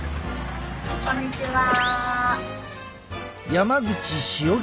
こんにちは。